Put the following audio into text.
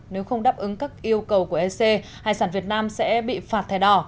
nếu không đáp ứng các yêu cầu của ec hải sản việt nam sẽ bị phạt thẻ đỏ